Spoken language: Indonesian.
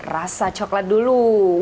rasa coklat dulu